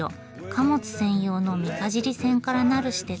貨物専用の三ヶ尻線からなる私鉄です。